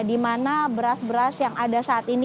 di mana beras beras yang ada saat ini